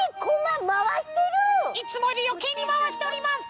いつもよりよけいにまわしております。